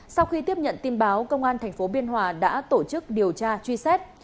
sau khi tiếp nhận tin báo công an thành phố biên hòa đã tổ chức điều tra truy xét